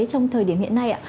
trong thời điểm hiện nay